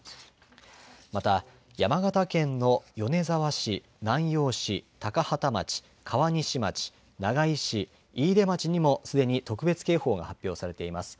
また、山形県の米沢市南陽市、高畠町川西町、長井市、飯豊町にもすでに特別警報が発表されています。